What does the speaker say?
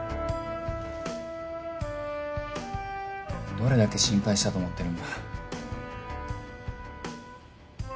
どれだけ心配したと思ってるんだ。